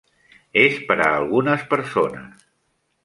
És per a algunes persones.